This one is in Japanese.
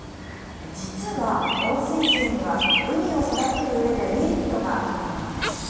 実は、温泉水にはウニを育てるうえでメリットがあるようなんです。